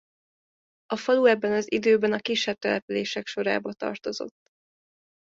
A falu ebben az időben a kisebb települések sorába tartozott.